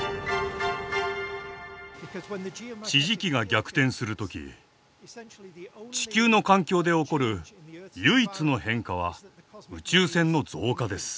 地磁気が逆転するとき地球の環境で起こる唯一の変化は宇宙線の増加です。